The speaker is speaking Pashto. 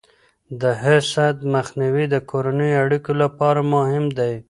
د حسد مخنیوی د کورنیو اړیکو لپاره مهم دی.